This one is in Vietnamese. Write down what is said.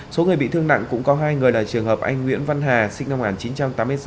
số người bị thương nặng cũng có hai người là trường hợp anh nguyễn văn hà sinh năm một nghìn chín trăm tám mươi sáu